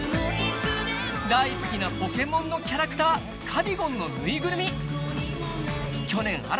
大好きな『ポケモン』のキャラクターカビゴンのぬいぐるみ